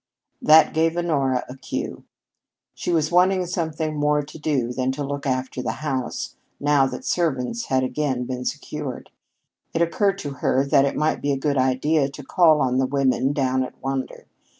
That gave Honora a cue. She was wanting something more to do than to look after the house, now that servants had again been secured. It occurred to her that it might be a good idea to call on the women down at Wander.